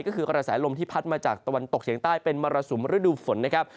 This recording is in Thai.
ก็คือกระแสลมที่พัดมาจากตะวันตกเฉียงใต้เป็นมรสุมฤดูฝนนะครับ